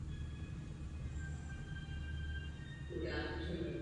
Pod jeho vedením se radnice stala centrem povstání v Praze.